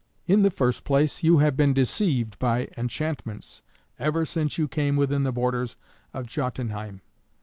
"In the first place, you have been deceived by enchantments ever since you came within the borders of Jötunheim.